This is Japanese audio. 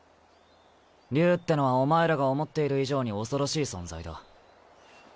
竜ってのはお前らが思っている以上に恐ろしい存在だ。